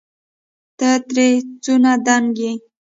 ته ترې څونه دنګ يې